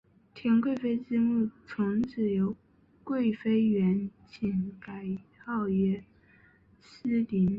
田贵妃之墓从此由贵妃园寝改号曰思陵。